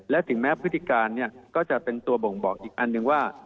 และถึงแม้พฤติการก็จะเป็นตัวบ่งบอกอีกอันหนึ่งว่า